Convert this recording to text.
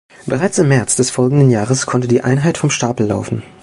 Bereits im März des folgenden Jahres konnte die Einheit vom Stapel laufen.